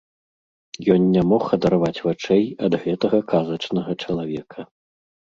Ён не мог адарваць вачэй ад гэтага казачнага чалавека.